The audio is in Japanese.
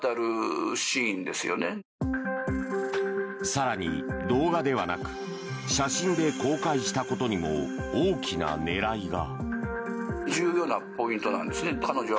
更に、動画ではなく写真で公開したことにも大きな狙いが。